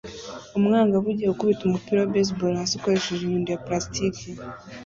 Umwangavu ugiye gukubita umupira wa baseball hasi ukoresheje inyundo ya plastiki